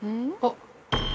あっ。